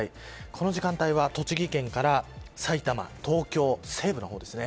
この時間帯は栃木県から埼玉東京西部の方ですね